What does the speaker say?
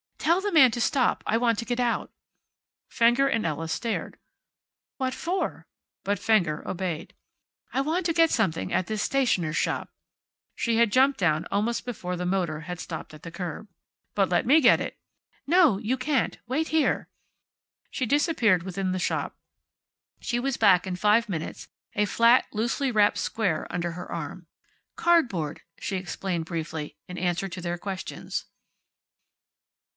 "Tell the man to stop. I want to get out." Fenger and Ella stared. "What for?" But Fenger obeyed. "I want to get something at this stationer's shop." She had jumped down almost before the motor had stopped at the curb. "But let me get it." "No. You can't. Wait here." She disappeared within the shop. She was back in five minutes, a flat, loosely wrapped square under her arm. "Cardboard," she explained briefly, in answer to their questions.